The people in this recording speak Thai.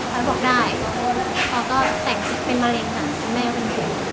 แล้วก็บอกได้แล้วก็แต่งสิทธิ์เป็นมะเร็งค่ะเป็นแม่ของหนู